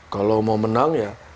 kalau mau menang ya